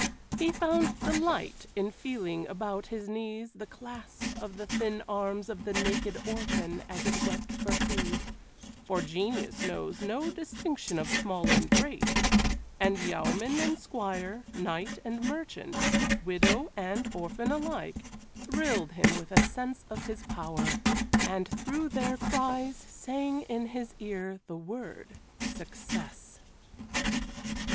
He found delight in feeling about his knees the clasp of the thin arms of the naked orphan as it wept for food, for genius knows no distinction of small and great, and yeoman and squire, knight and merchant, widow and orphan alike, thrilled him with a sense of his power, and through their cries sang in his ear the word "success."